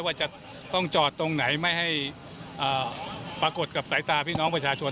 ว่าจะต้องจอดตรงไหนไม่ให้ปรากฏกับสายตาพี่น้องประชาชน